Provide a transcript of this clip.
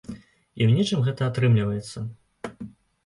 І ў нечым гэта атрымліваецца.